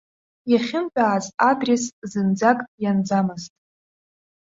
Иахьынтәааз адрес зынӡак ианӡамызт.